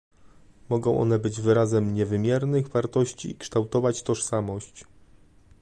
Mogą one być wyrazem niewymiernych wartości i kształtować tożsamość